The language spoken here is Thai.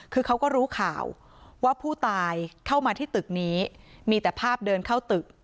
คือเขาก็รู้ข่าวว่าผู้ตายเข้ามาที่ตึกนี้มีแต่ภาพเดินเข้าตึก